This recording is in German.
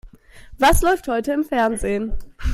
Was läuft heute im Fernsehen?